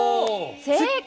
正解！